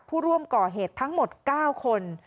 ผู้ร่วมก่อเหตุทั้งหมด๙คน